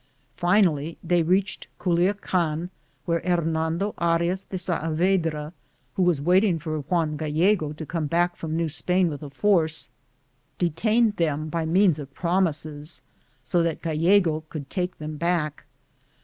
Finally they reached Culiacan, where Hernando Arias de Saabedra, who was waiting for Juan Gallego to come back from New Spain with a force, detained them by means of promises, so that Gallego could take them back.